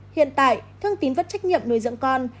hiện tại thương tín vẫn trách nhiệm nuôi dưỡng con